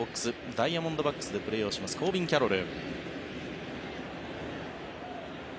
ダイヤモンドバックスでプレーをしますコービン・キャロル。